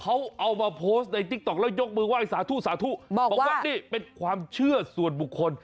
เขาเอามาโพสต์ในติ๊กต๊อกแล้วยกมือไห้สาธุสาธุบอกว่านี่เป็นความเชื่อส่วนบุคคล